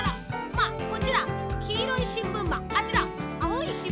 まあこちらきいろいしんぶんマンあちらあおいしんぶんマン。